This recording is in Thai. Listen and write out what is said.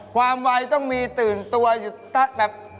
ความไหวต้องมีตื่นตัวอยู่เต๊ะแบบ